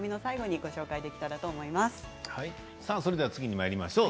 では次にまいりましょう。